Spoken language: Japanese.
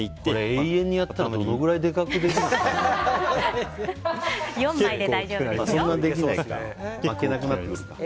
永遠にやったらどのくらいでかくなるんですかね。